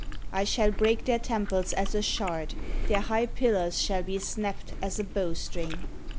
I shall break their temples as a shard; their high pillars shall be snapt as a bow string.